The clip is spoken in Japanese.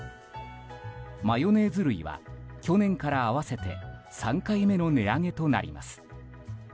マヨネーズ類は去年から合わせて３回目の値上げとなります。